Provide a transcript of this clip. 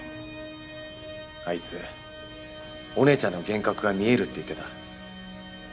あいつお姉ちゃんの幻覚が見えるって言ってた。